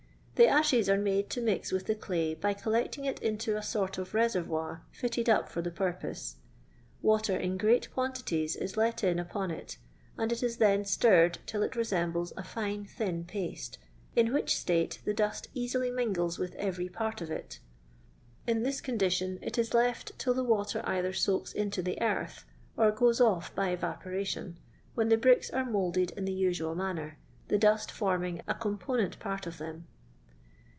The ashes are made to mix with the clay by collecting it into a sort of reservoir fitted np lor the pur pose ; water ia great quantitiet is let in upon it, and it is then stirred till it resembles a fine thin paste, in which state the dust eadly mingles with every part of it. In this condition it is left till the water dther soaks into the earth, or goes off by evaporation, when the bricks are moulded in the usual manner, the dust forming a compo nent part of them.